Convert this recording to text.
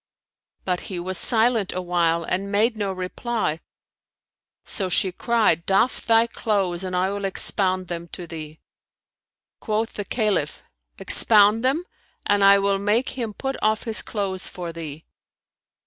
But he was silent awhile and made no reply: so she cried "Doff thy clothes and I will expound them to thee." Quoth the Caliph "Expound them, and I will make him put off his clothes for thee."